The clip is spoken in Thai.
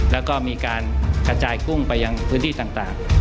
แล้วก็มีการกระจายกุ้งไปยังพื้นที่ต่าง